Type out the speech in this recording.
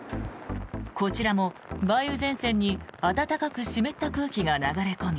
こちらも梅雨前線に暖かく湿った空気が流れ込み